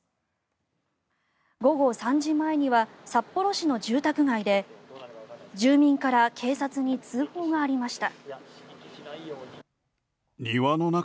午後３時前には札幌市の住宅街で住民から警察に通報がありました。